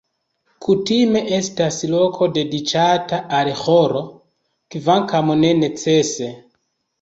Kutime estas loko dediĉata al ĥoro, kvankam ne necese.